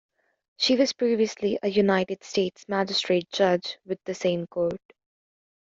She was previously a United States Magistrate Judge with the same court.